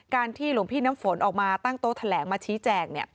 ที่หลวงพี่น้ำฝนออกมาตั้งโต๊ะแถลงมาชี้แจง